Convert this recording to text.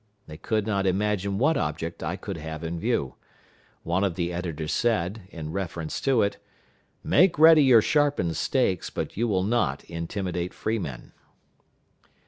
They could not imagine what object I could have in view. One of the editors said, in reference to it, "Make ready your sharpened stakes, but you will not intimidate freemen."